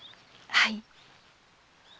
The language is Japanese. はい。